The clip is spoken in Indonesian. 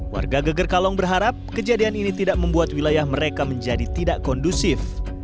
warga geger kalong berharap kejadian ini tidak membuat wilayah mereka menjadi tidak kondusif